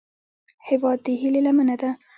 هیواد د هیلې لمنه ده